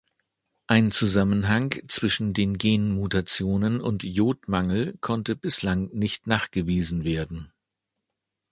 Ein Zusammenhang zwischen den Genmutationen und Jodmangel konnte bislang nicht nachgewiesen werden.